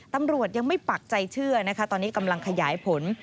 ตำรวจยังไม่ปักใจเชื่อนะคะตอนนี้กำลังขยายผล